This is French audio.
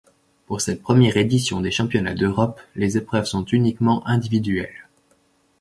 Pour cette première édition des championnats d’Europe, les épreuves sont uniquement individuelles.